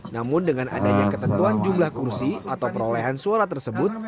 namun dengan adanya ketentuan jumlah kursi atau perolehan suara tersebut